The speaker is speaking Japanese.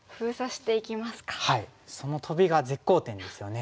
そのトビが絶好点ですよね。